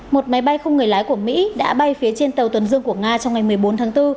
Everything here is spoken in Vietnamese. một máy bay không người lái của mỹ đã bay phía trên tàu tuần dương của nga trong ngày một mươi bốn tháng bốn